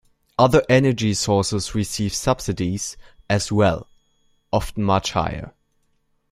Other energy sources receive subsidies as well, often much higher.